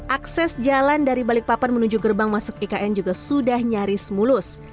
akses jalan dari balikpapan menuju gerbang masuk ikn juga sudah nyaris mulus